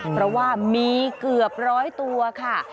เพราะว่ามีเกือบร้อยตัวค่ะ